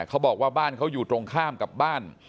เขาบอกว่าบ้านเขาอยู่ตรงข้ามกับบ้าน